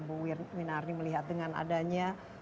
bu wina arni melihat dengan adanya